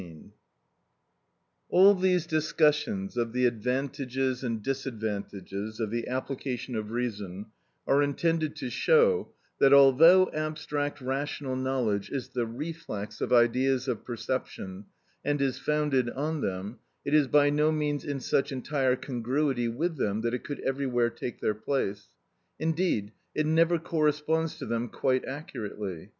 (17) § 13. All these discussions of the advantages and disadvantages of the application of reason are intended to show, that although abstract rational knowledge is the reflex of ideas of perception, and is founded on them, it is by no means in such entire congruity with them that it could everywhere take their place: indeed it never corresponds to them quite accurately.